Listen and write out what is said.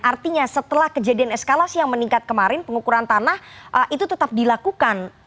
artinya setelah kejadian eskalasi yang meningkat kemarin pengukuran tanah itu tetap dilakukan